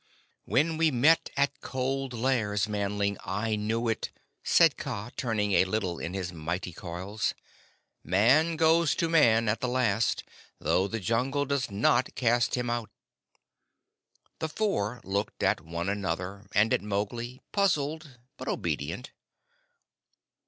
"When we met at Cold Lairs, Manling, I knew it," said Kaa, turning a little in his mighty coils. "Man goes to Man at the last, though the Jungle does not cast him out." The Four looked at one another and at Mowgli, puzzled but obedient.